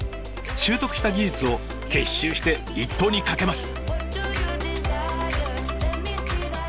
習得した技術を結集して一投にかけます。